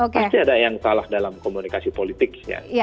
pasti ada yang salah dalam komunikasi politiknya